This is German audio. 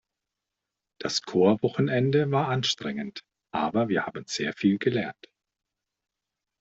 Das Chorwochenende war anstrengend, aber wir haben sehr viel gelernt.